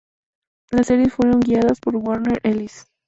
Las series fueron guiadas por Warren Ellis.